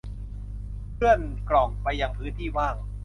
เลื่อนกล่องไปยังพื้นที่ว่าง